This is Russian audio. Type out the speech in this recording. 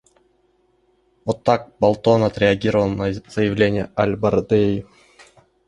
Вот так Болтон отреагировал на заявление аль-Барадеи.